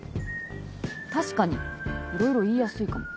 確かにいろいろ言いやすいかも。